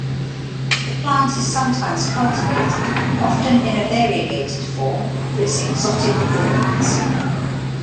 The plant is sometimes cultivated, often in a variegated form, for its exotic appearance.